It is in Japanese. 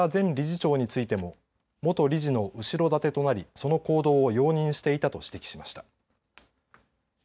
また田中前理事長についても元理事の後ろ盾となりその行動を容認していたと指摘しました。